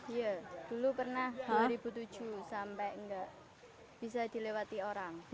iya dulu pernah dua ribu tujuh sampai nggak bisa dilewati orang